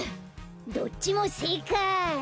どっちもせいかい！